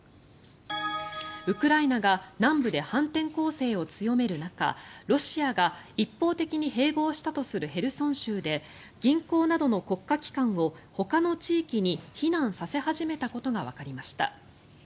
ウクライナが南部で反転攻勢を強める中ロシアが一方的に併合したとするヘルソン州で銀行などの国家機関をほかの地域に避難させ始めたことがわかりました。